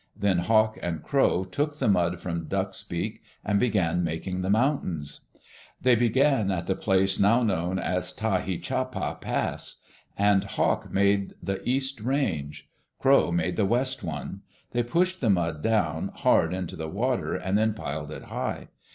Then Hawk and Crow took the mud from Duck's beak, and began making the mountains. They began at the place now known as Ta hi cha pa Pass, and Hawk made the east range. Crow made the west one. They pushed the mud down hard into the water and then piled it high.